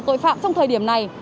tội phạm trong thời điểm này